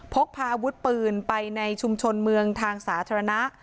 พกพาอาวุธปืนไปในชุมชนเมืองทางสาธารณะ